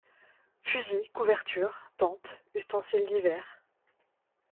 Fusils, couvertures, Tente, ustensiles divers, …